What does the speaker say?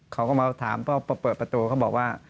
เขาก็มาถามพอเปิดประตูเขาบอกว่า